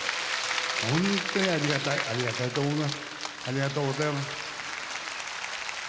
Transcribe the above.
本当にありがたい、ありがたいと思います。